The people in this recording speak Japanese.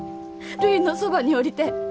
るいのそばにおりてえ。